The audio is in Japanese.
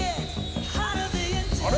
「あれ？」